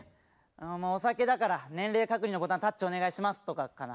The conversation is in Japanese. お酒だから「年齢確認のボタンタッチお願いします」とかかな。